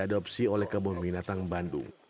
diadopsi oleh kebun binatang bandung